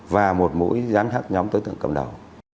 và một mũi giám sát nhóm đối tượng cầm đầu